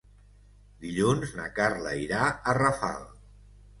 Dilluns na Carla irà a Rafal.